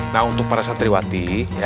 nah untuk para santriwati